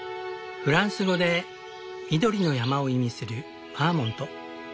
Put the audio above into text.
フランス語で「緑の山」を意味するバーモント。